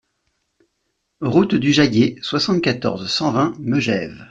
Route du Jaillet, soixante-quatorze, cent vingt Megève